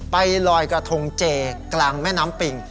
ไปลอยกระทงเจกลางแม่น้ำปิง